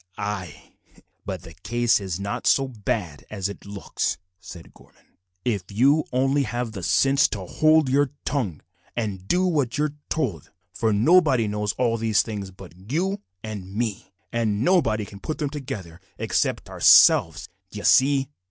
"Ay, but the case is not so bad as it looks," said Gorman, "if you only have the sense to hold your tongue and do what you are told; for nobody knows all these things but you and me, and nobody can put them together except ourselves d'ye see?"